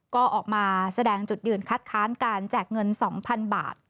ก็ออกมาแสดงจุดยืนคัดค้านการแจกเงิน๒๐๐๐บาท